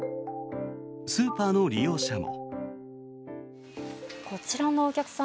スーパーの利用者も。